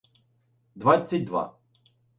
Двадцять два